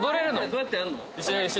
どうやってやるの？